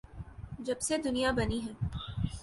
جب سے دنیا بنی ہے۔